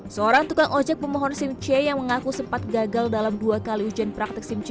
seorang tukang ojek pemohon simc yang mengaku sempat gagal dalam dua kali ujian praktik simc